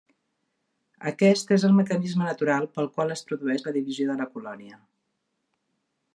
Aquest és el mecanisme natural pel qual es produeix la divisió de la colònia.